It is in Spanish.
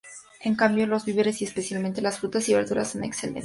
En cambio los víveres y especialmente las frutas y verduras son excelentes".